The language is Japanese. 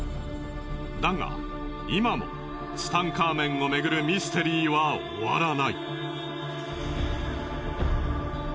だが今もツタンカーメンをめぐるミステリーは終わらない。